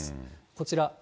こちら。